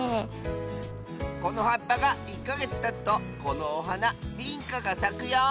このはっぱが１かげつたつとこのおはなビンカがさくよ！